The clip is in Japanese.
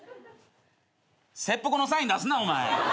切腹のサイン出すなお前。